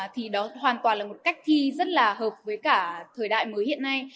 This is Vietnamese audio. thì đó hoàn toàn là một cách thi rất là hợp với cả thời đại mới hiện nay